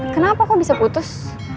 kenapa kok bisa putus